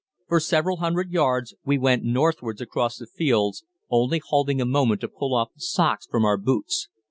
For several hundred yards we went northwards across the fields, only halting a moment to pull off the socks from our boots.